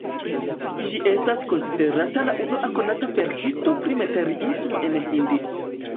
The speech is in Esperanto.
Ĝi estas konsiderata la unua konata verkisto pri materiismo en Hindio.